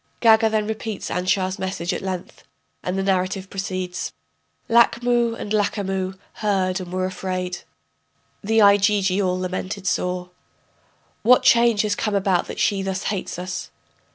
[Gaga then repeats Anshar's message at length, and the narrative proceeds.] Lachmu and Lachamu heard and were afraid, The Igigi all lamented sore: What change has come about that she thus hates us?